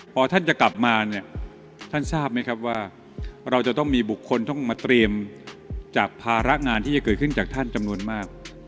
พอท่านจะกลับมาเนี่ยท่านทราบไหมครับว่าเราจะต้องมีบุคคลต้องมาเตรียมจากภาระงานที่จะเกิดขึ้นจากท่านจำนวนมาก